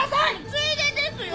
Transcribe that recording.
ついでですよ！